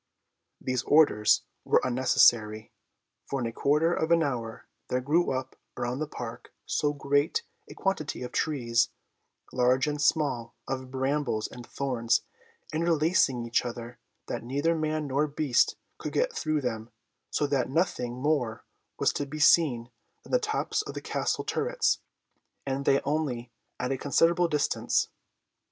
These orders were unnecessary, for in a quarter of an hour there grew up around the Park so great a quantity of trees, large and small, of brambles and thorns, interlacing each other, that neither man nor beast could get through them, so that nothing more was to be seen than the tops of the Castle turrets, and they only at a considerable distance.